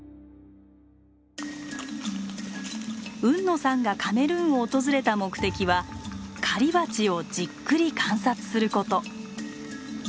海野さんがカメルーンを訪れた目的は狩りバチをじっくり観察すること。